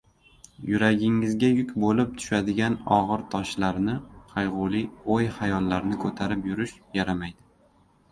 Yuragingizga yuk boʻlib tushadigan ogʻir toshlarni – qaygʻuli oʻy-xayollarni koʻtarib yurish yaramaydi.